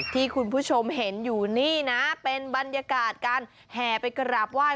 ที่คุณผู้ชมเห็นอยู่นี่นะเป็นบรรยากาศการแห่ไปกราบไหว้